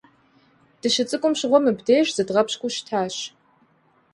Дыщыцӏыкӏум щыгъуэ мыбдеж зыщыдгъэпщкӏуу щытащ.